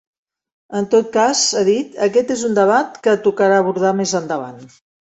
En tot cas, ha dit, aquest és un debat que tocarà abordar més endavant.